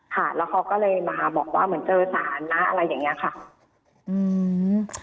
ค่ะแล้วเขาก็เลยมาบอกว่าเหมือนเจอสารนะอะไรอย่างเงี้ยค่ะอืม